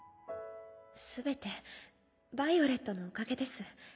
全てヴァイオレットのおかげです。